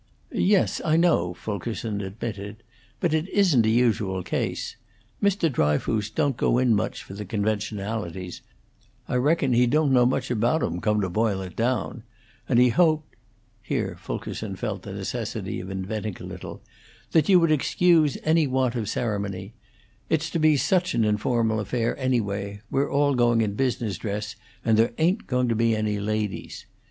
"Yes, I know," Fulkerson admitted. "But it isn't a usual case. Mr. Dryfoos don't go in much for the conventionalities; I reckon he don't know much about 'em, come to boil it down; and he hoped" here Fulkerson felt the necessity of inventing a little "that you would excuse any want of ceremony; it's to be such an informal affair, anyway; we're all going in business dress, and there ain't going to be any ladies.